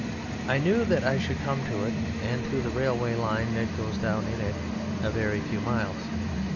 I knew that I should come to it and to the railway line that goes down it in a very few miles.